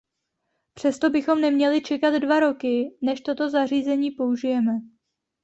Přesto bychom neměli čekat dva roky, než toto nařízení použijeme.